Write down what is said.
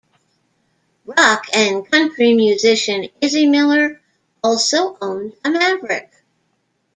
Rock and country musician Izzy Miller also owns a Maverick.